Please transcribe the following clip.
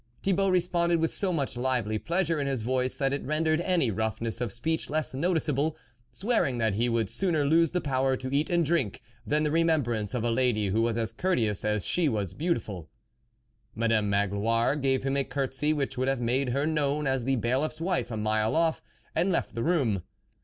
Thibault responded with so much lively pleasure in his voice that it rendered any roughness of speech less noticeable, swear ing that he would sooner lose the power to eat and drink than the remembrance of a lady who was as courteous as she was beautiful. Madame Magloire gave him a curtsey which would have made her known as the Bailiff's wife a mile off, and left the room.